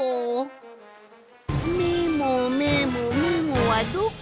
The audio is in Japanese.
メモメモメモはどこじゃ。